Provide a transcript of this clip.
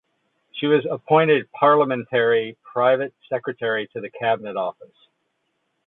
She was appointed Parliamentary Private Secretary to the Cabinet Office.